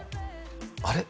「あれ？